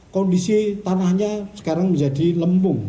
kondisi tanahnya sekarang menjadi lembung